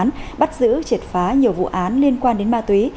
tội phạm ma túy bắt giữ triệt phá nhiều vụ án liên quan đến ma túy